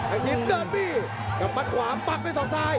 แอคทีมเริ่มมีกับมันขวาปักด้วยสองสาย